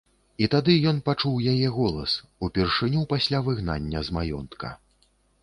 І тады ён пачуў яе голас, упершыню пасля выгнання з маёнтка.